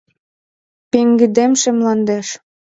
Пеҥгыдемше мландеш